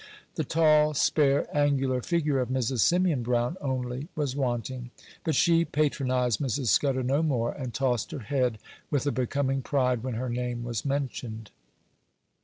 The tall, spare, angular figure of Mrs. Simeon Brown only was wanting; but she patronized Mrs. Scudder no more, and tossed her head with a becoming pride when her name was mentioned.